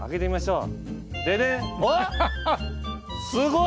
すごい！